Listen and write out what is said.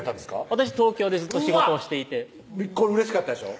私東京でずっと仕事をしていてうれしかったでしょ？